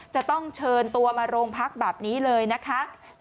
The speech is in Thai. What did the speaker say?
จะต้องเชิญตัวมาโรงพักแบบนี้เลยนะคะ